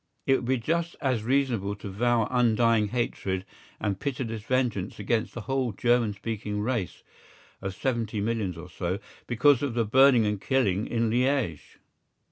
It would be just as reasonable to vow undying hatred and pitiless vengeance against the whole German speaking race (of seventy millions or so) because of the burning and killing in Liège.